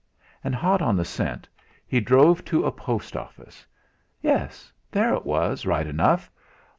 And, hot on the scent, he drove to a post office. Yes, there it was, right enough!